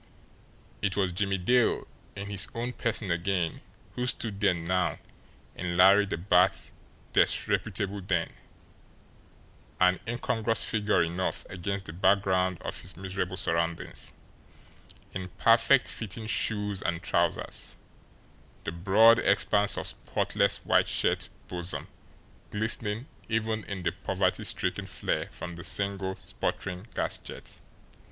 It was Jimmie Dale in his own person again who stood there now in Larry the Bat's disreputable den, an incongruous figure enough against the background of his miserable surroundings, in perfect fitting shoes and trousers, the broad expanse of spotless white shirt bosom glistening even in the poverty stricken flare from the single, sputtering gas jet.